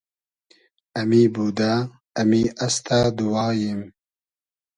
امی بودۂ ، امی استۂ دوواییم